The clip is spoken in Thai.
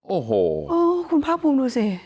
โอ้โหคุณภาคภูมิดูสิ